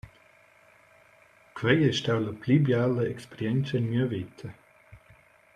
Quei ei stau la pli biala experientscha en mia veta.